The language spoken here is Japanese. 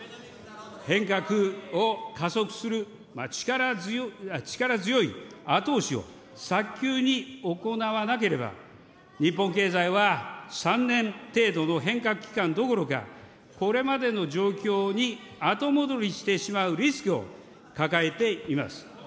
変革を加速する力強い後押しを早急に行わなければ、日本経済は３年程度の変革期間どころか、これまでの状況に後戻りしてしまうリスクを抱えています。